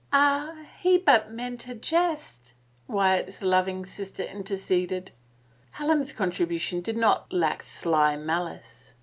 " Oh, he but meant a jest," Wyatt's loving sister inter ceded. Helen's contribution did not lack sly malice.